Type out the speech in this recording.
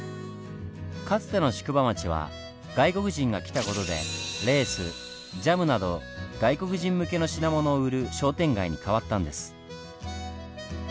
かつての宿場町は外国人が来た事でレースジャムなど外国人向けの品物を売る商店街に変わったんです。